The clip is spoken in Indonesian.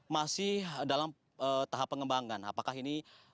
masih dalam tahap pengembangan